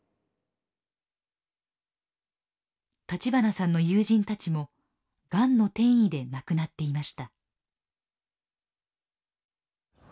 立花さんの友人たちもがんの転移で亡くなっていました。